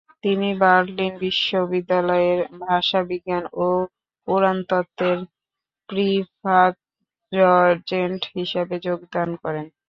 তিনি বার্লিন বিশ্ববিদ্যালয়ের ভাষাবিজ্ঞান ও পুরাণতত্ত্বের প্রিফাৎডজেন্ট হিসেবে যোগদান করেন।